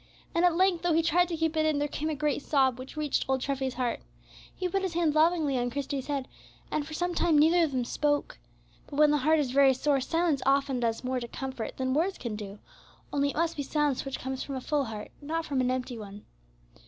And, at length, though he tried to keep it in, there came a great sob, which reached old Treffy's heart. He put his hand lovingly on Christie's head, and for some time neither of them spoke. But when the heart is very sore, silence often does more to comfort than words can do, only it must be silence which comes from a full heart, not from an empty one.